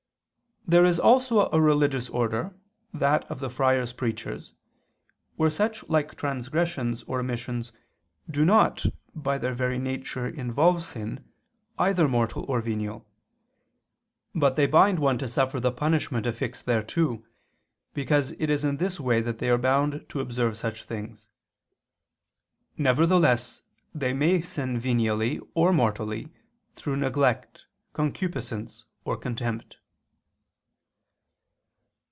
There is also a religious order, that of the Friars Preachers, where such like transgressions or omissions do not, by their very nature, involve sin, either mortal or venial; but they bind one to suffer the punishment affixed thereto, because it is in this way that they are bound to observe such things. Nevertheless they may sin venially or mortally through neglect, concupiscence, or contempt.